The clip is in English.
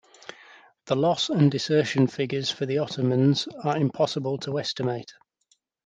The loss and desertion figures for the Ottomans are impossible to estimate.